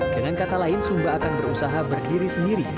dengan kata lain sumba akan berusaha berdiri sendiri